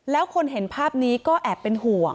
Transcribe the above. แล้วคนเห็นภาพนี้ก็แอบเป็นห่วง